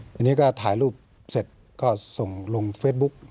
วันนี้ก็ถ่ายรูปเสร็จก็ส่งลงเฟซบุ๊ก